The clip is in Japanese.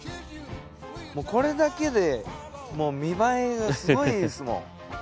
もうこれだけで見栄えがすごいですもん。